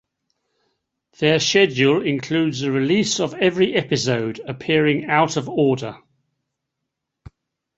Their schedule includes a release of every episode, appearing out of order.